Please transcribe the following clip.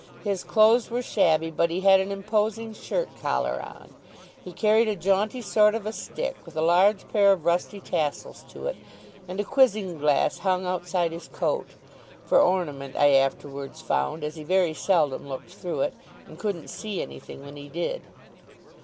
His clothes were shabby, but he had an imposing shirt collar on. He carried a jaunty sort of a stick, with a large pair of rusty tassels to it; and a quizzing glass hung outside his coat, for ornament, I afterwards found, as he very seldom looked through it, and couldn't see anything when he did.